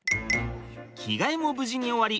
着替えも無事に終わり